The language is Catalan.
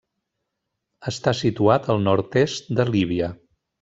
Està situat al nord-est de Líbia.